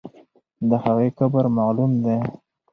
د هغې قبر معلوم دی.